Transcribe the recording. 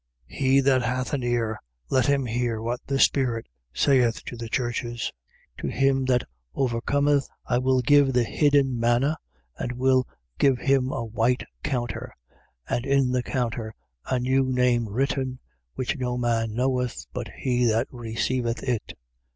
2:17. He that hath an ear, let him hear what the Spirit saith to the churches: To him that overcometh I will give the hidden manna and will give him a white counter: and in the counter, a new name written, which no man knoweth but he that receiveth it.